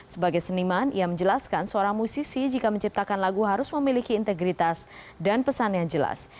sebagai seniman ia menjelaskan seorang musisi jika menciptakan lagu harus memiliki integritas dan pesan yang jelas